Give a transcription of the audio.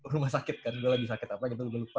rumah sakit kan udah lagi sakit apa gitu lebih lupa